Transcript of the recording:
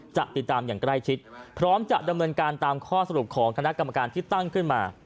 จะติดตามอย่างใกล้ชิดพร้อมจะดำเนินการตามข้อสรุปของคณะกรรมการที่ตั้งขึ้นมา